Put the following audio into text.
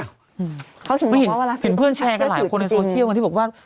เห็นเพื่อนแชร์กับหลายคนในโซเชียลกันที่บอกว่า